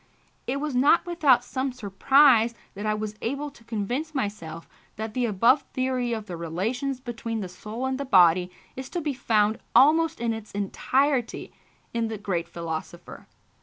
It was not without some surprise that I was able to convince myself that the above theory of the relations between the soul and the body is to be found almost in its entirety in the great philosopher.